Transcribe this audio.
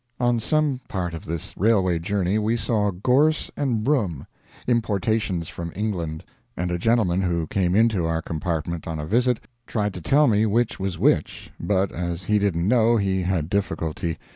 On some part of this railway journey we saw gorse and broom importations from England and a gentleman who came into our compartment on a visit tried to tell me which was which; but as he didn't know, he had difficulty.